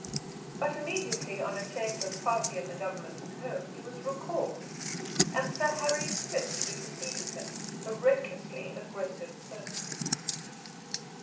But immediately on a change of party in the Government at home, he was recalled, and Sir Harry Smith superseded him, a recklessly aggressive person.